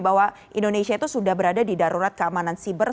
bahwa indonesia itu sudah berada di darurat keamanan siber